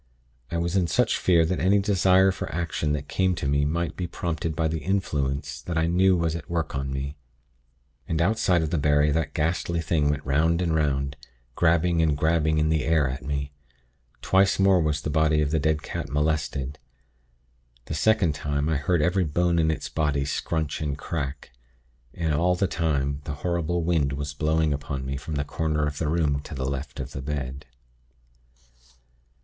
I was in such fear that any desire for action that came to me might be prompted by the Influence that I knew was at work on me. And outside of the barrier that ghastly thing went 'round and 'round, grabbing and grabbing in the air at me. Twice more was the body of the dead cat molested. The second time, I heard every bone in its body scrunch and crack. And all the time the horrible wind was blowing upon me from the corner of the room to the left of the bed.